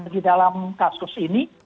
di dalam kasus ini